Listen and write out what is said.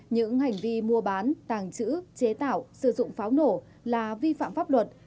những hành vi mua bán tàng trữ chế tạo sử dụng pháo nổ là vi phạm pháp luật